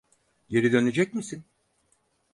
Geri dönecek misin?